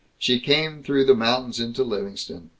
She came through the mountains into Livingston.